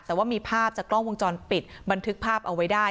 แต่ว่ามีภาพจากกล้องวงจรปิดบันทึกภาพเอาไว้ได้